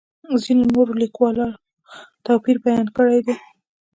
ځینو نورو لیکوالو توپیر بیان کړی دی.